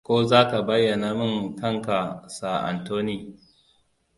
Ko za ka bayyana min kanka, Sir Anthony.